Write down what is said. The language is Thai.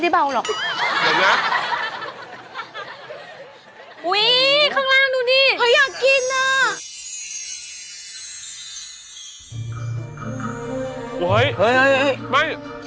ดูเพิ่งมาเพิ่งมา